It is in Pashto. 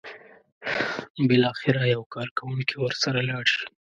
بالاخره یو کارکوونکی ورسره لاړ شي.